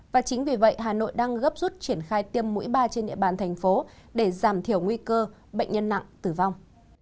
và chính vì vậy hà nội đang gấp rút triển khai tiêm mũi ba trên địa bàn thành phố để giảm thiểu nguy cơ bệnh nhân nặng tử vong